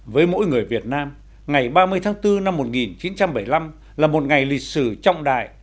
với mỗi người việt nam ngày ba mươi tháng bốn năm một nghìn chín trăm bảy mươi năm là một ngày lịch sử trọng đại